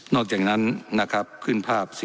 อกจากนั้นนะครับขึ้นภาพ